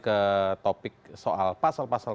ke topik soal pasal pasal